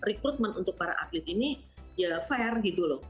rekrutmen untuk para atlet ini ya fair gitu loh